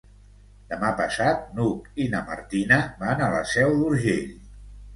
Demà passat n'Hug i na Martina van a la Seu d'Urgell.